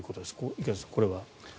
池畑さん、これは？